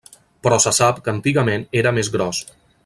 Però se sap que antigament era més gros.